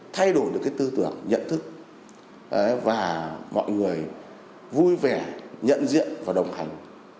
thay đổi được cái tư tưởng nhận thức và mọi người vui vẻ nhận diện và đồng hành